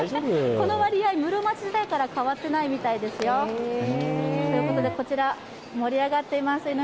この割合、室町時代から変わってないみたいですよ。ということで、こちら盛り上がっています。